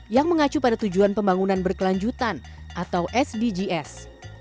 yang mengacu pada tujuan pembangunan berkelanjutan atau sdgs